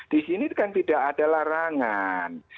di sini kan tidak ada larangan